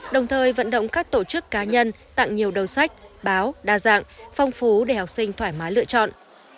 đồng thời vận động các tổ chức cá nhân tặng nhiều đầu sách báo đa dạng phong phú để học sinh thoải mái lựa chọn